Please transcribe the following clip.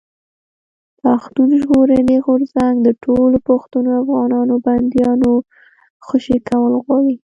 پښتون ژغورني غورځنګ د ټولو پښتنو افغانانو بنديانو خوشي کول غواړي.